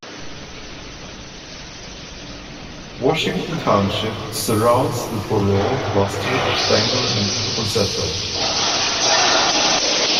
Washington Township surrounds the borough cluster of Bangor and Roseto.